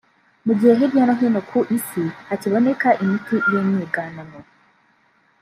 mu gihe hirya no hino ku isi hakiboneka imiti y’imyiganano